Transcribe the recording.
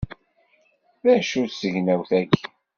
D acu-tt tegnawt-agi!